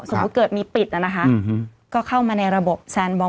สมมุติเกิดมีปิดอะนะคะอือฮือก็เข้ามาในระบบแซนบ็อกซ์